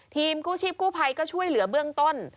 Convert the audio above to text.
กู้ชีพกู้ภัยก็ช่วยเหลือเบื้องต้น